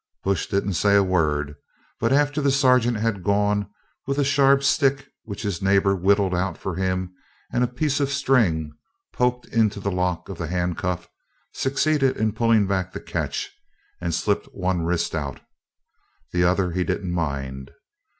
Bush didn't say a word, but, after the sergeant had gone, with a sharp stick which his neighbor whittled out for him, and a piece of string poked into the lock of the handcuff, succeeding in pulling back the catch, and slipped one wrist out. The other, he didn't mind.